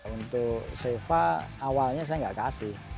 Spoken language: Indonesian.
untuk sheva awalnya saya nggak kasih